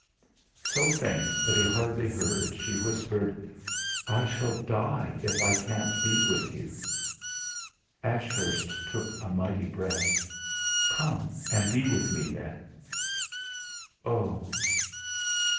So faint that he hardly heard, she whispered: "I shall die if I can't be with you." Ashurst took a mighty breath. "Come and be with me, then!" "Oh!"